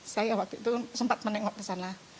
saya waktu itu sempat menengok ke sana